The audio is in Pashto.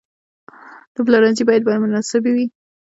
د پلورنځي بیې باید مناسبې وي.